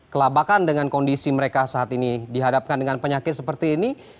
kelabakan dengan kondisi mereka saat ini dihadapkan dengan penyakit seperti ini